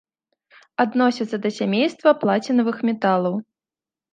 Адносіцца да сямейства плацінавых металаў.